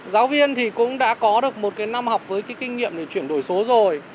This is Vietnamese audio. giáo viên thì cũng đã có được một cái năm học với cái kinh nghiệm để chuyển đổi số rồi